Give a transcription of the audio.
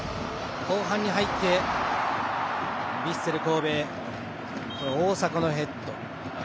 後半に入ってヴィッセル神戸、大迫のヘッド。